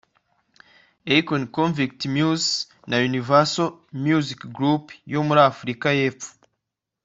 Akon’s Konvict Music na Universal Music Group yo muri Afurika y’epfo